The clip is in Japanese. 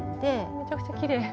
めちゃくちゃきれい。